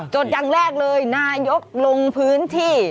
อย่างแรกเลยนายกลงพื้นที่